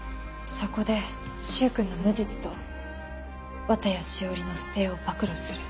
そこで柊君の無実と綿谷詩織の不正を暴露する。